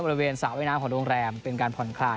บริเวณสระว่ายน้ำของโรงแรมเป็นการผ่อนคลาย